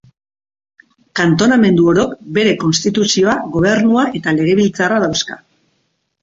Kantonamendu orok bere konstituzioa, gobernua eta legebiltzarra dauzka.